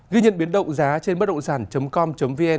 ghi nhận biến động giá trên bất động sản com vn